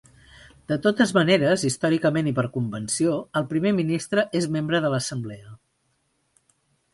De totes maneres, històricament i per convenció, el primer ministre és membre de l'Assemblea.